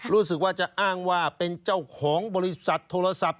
รู้สึกว่าจะอ้างว่าเป็นเจ้าของบริษัทโทรศัพท์